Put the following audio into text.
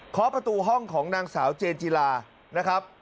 ขอประตูห้องของนางสาวเจนจิลานะครับ